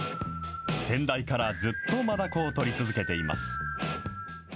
先代からずっとマダコを取り続けています。